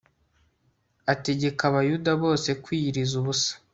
ategeka Abayuda bose kwiyiriza ubusa